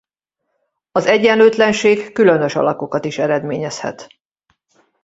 Az egyenlőtlenség különös alakokat is eredményezhet.